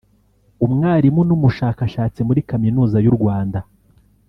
Umwarimu n’Umushakashatsi muri Kaminuza y’u Rwanda